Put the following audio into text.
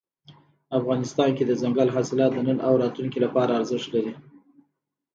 افغانستان کې دځنګل حاصلات د نن او راتلونکي لپاره ارزښت لري.